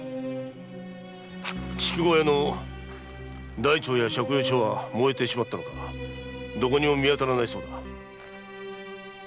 筑後屋の台帳や借用書は燃えてしまったか見当たらないそうだ。